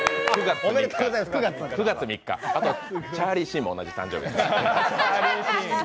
９月３日、あとチャーリー・シンも同じ誕生日です。